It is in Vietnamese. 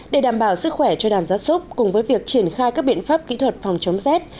để đảm bảo sức khỏe cho đàn gia súc cùng với việc triển khai các biện pháp kỹ thuật phòng chống rét